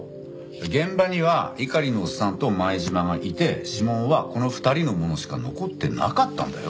現場には猪狩のオッサンと前島がいて指紋はこの２人のものしか残ってなかったんだよ。